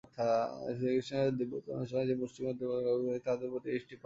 শ্রীরামকৃষ্ণের দিব্য চরণস্পর্শে যে মুষ্টিমেয় যুবকদলের অভ্যুদয় হইয়াছে, তাহাদের প্রতি দৃষ্টিপাত কর।